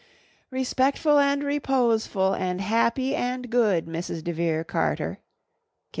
"Respectful and reposeful and happy and good, Mrs. de Vere Carter," came the chant.